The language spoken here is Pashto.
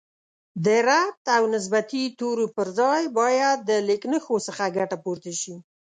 د ربط او نسبتي تورو پر ځای باید د لیکنښو څخه ګټه پورته شي